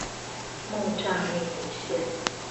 木柵內湖線